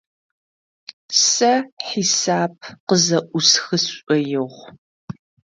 Сэ хьисап къызэӏусхы сшӏоигъу.